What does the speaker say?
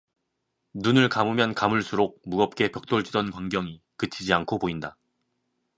눈을 감으면 감을수록 무겁게 벽돌 지던 광경이 그치지 않고 보인다.